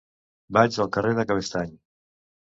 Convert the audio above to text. Vaig al carrer de Cabestany.